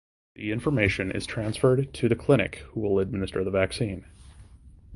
The information is transferred to the clinic who will administer the vaccine.